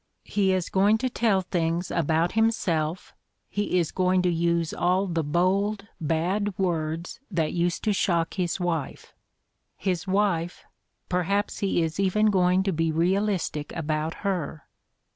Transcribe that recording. He is going to tell things about himself, he is going to use all the bold, bad words that used to shock his wife. His wife — perhaps he is even going to be realistic about her.